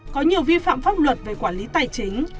có nhiều vi phạm pháp luật về quản lý tài chính